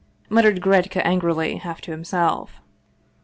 muttered Gretcka angrily, half to himself.